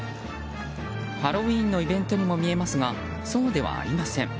ハロウィーンのイベントにも見えますが、そうではありません。